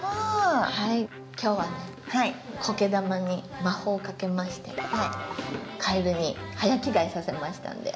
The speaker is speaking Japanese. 今日はねコケ玉に魔法をかけましてかえるに早着替えさせましたんで。